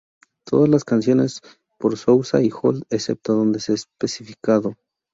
Todas las canciones por Souza Y Holt excepto donde es especificado.